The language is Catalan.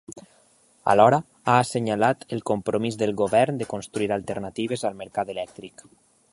Alhora ha assenyalat el compromís del govern de construir alternatives al mercat elèctric.